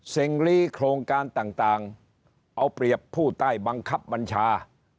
ลีโครงการต่างเอาเปรียบผู้ใต้บังคับบัญชา